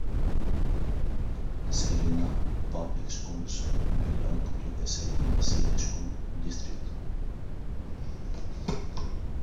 Celina Public Schools belong to the Celina City School District.